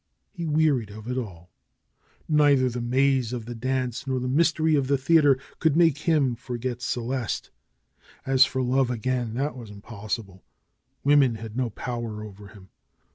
He wearied of it all. Neither the maze of the dance nor the mystery of the theater could make him forget Celeste. As for love again, that was impossible. Women had no power over him.